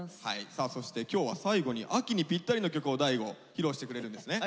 さあそして今日は最後に秋にぴったりの曲を大吾披露してくれるんですね。